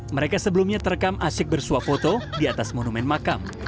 mereka sebelumnya terekam asyik bersuap foto di atas monumen makam